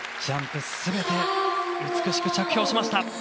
ジャンプで全て美しく着氷しました。